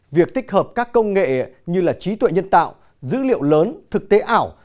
việc tích hợp các công nghệ như trí tuệ nhân tạo dữ liệu lớn thực tế ảo